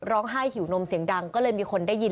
หิวนมเสียงดังก็เลยมีคนได้ยิน